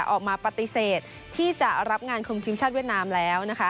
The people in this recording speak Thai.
ออกมาปฏิเสธที่จะรับงานคุมทีมชาติเวียดนามแล้วนะคะ